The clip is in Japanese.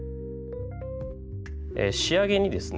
仕上げにですね